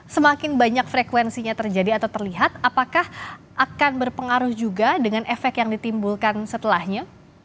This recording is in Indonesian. semakin banyak frekuensinya terjadi atau terlihat apakah akan berpengaruh juga dengan efek yang ditimbulkan setelahnya